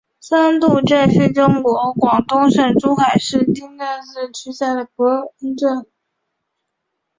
三灶镇是中国广东省珠海市金湾区下辖镇。